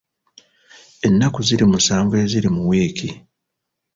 Ennaku ziri musanvu eziri mu wiiki.